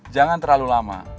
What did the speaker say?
jangan terlalu lama